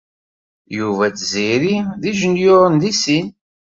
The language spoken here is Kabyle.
Yuba d Tiziri d ijenyuṛen deg sin.